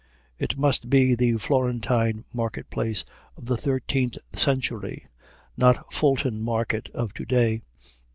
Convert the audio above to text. It must be the Florentine market place of the thirteenth century not Fulton Market of to day.